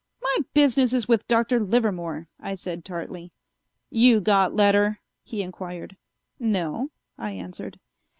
"My business is with Dr. Livermore," I said tartly. "You got letter?" he inquired. "No," I answered.